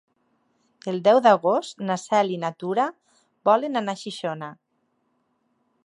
El deu d'agost na Cel i na Tura volen anar a Xixona.